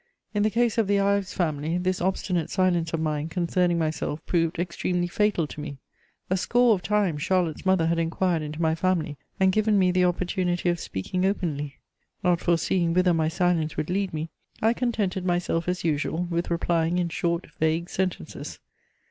In the case of the Ives family, this obstinate silence of mine concerning myself proved extremely fatal to me. A score of times Charlotte's mother had inquired into my family and given me the opportunity of speaking openly. Not foreseeing whither my silence would lead me, I contented myself, as usual, with replying in short, vague sentences.